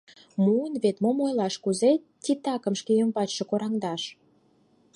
Муын вет, мом ойлаш, кузе титакым шке ӱмбачше кораҥдаш.